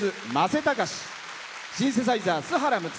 シンセサイザー、須原睦。